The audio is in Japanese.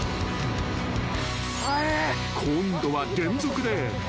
［今度は連続で］